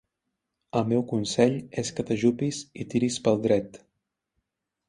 El meu consell és que t'ajupis i tiris pel dret.